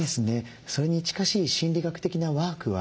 それに近しい心理学的なワークは知られています。